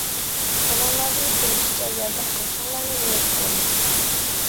قولۇڭلاردىن كېلىشىچە ياردەم قىلىشىڭلارنى ئۈمىد قىلىمىز!